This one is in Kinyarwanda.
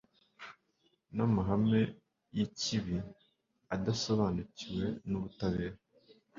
n’amahame y’ikibi, abadasobanukiwe n’ubutabera,